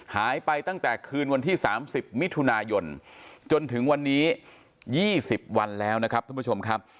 หายไปตั้งแต่คืนวันที่๓๐มิถุนายนจนถึงวันนี้๒๐วันแล้วนะครับท่านผู้ชมครับ